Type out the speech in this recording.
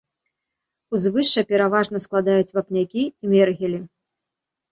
Узвышша пераважна складаюць вапнякі і мергелі.